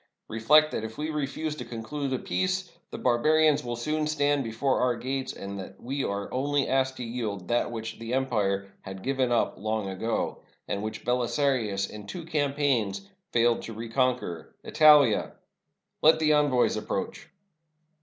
Re flect that if we refuse to conclude a peace, the barbarians will soon stand before our gates, and that we are only asked to yield that which the empire had given up long ago, and which Belisarius in two campaigns failed to reconquer — Italia! Let the envoys approach."